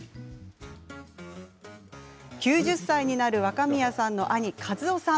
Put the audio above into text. ９０歳になる若宮さんの兄和夫さん。